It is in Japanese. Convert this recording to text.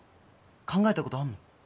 考えたことあんの？